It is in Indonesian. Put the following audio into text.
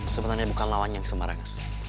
sebenarnya bukan lawan yang semarang